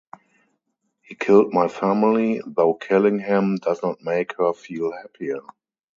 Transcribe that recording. He killed my family, though killing him does not make her feel happier.